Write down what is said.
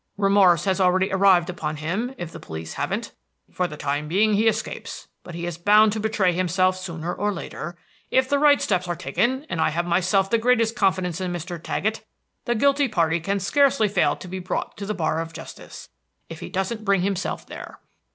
Remorse has already arrived upon him, if the police haven't. For the time being he escapes; but he is bound to betray himself sooner or later. If the right steps are taken, and I have myself the greatest confidence in Mr. Taggett, the guilty party can scarcely fail to be brought to the bar of justice, if he doesn't bring himself there."